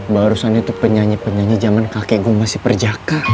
barusan itu penyanyi penyanyi zaman kakek gue masih perjaka